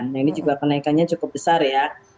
nah ini juga kenaikannya cukup besar ya